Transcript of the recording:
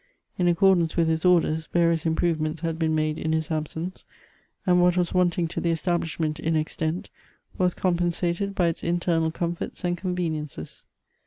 In accordance with his orders, various improvements had been made in his absence, and what was wanting to the establishment in extent, was compensated by its internal comforts and conveniences.